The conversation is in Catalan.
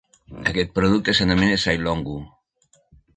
Aquest producte s"anomena "sailonggu".